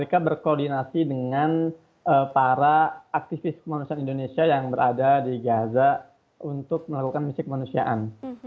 mereka berkoordinasi dengan para aktivis kemanusiaan indonesia yang berada di gaza untuk melakukan misi kemanusiaan